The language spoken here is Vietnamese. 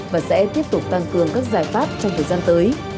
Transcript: và sẽ tiếp tục tăng cường các giải pháp trong thời gian tới